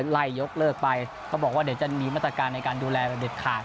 ยกเลิกไปเขาบอกว่าเดี๋ยวจะมีมาตรการในการดูแลแบบเด็ดขาด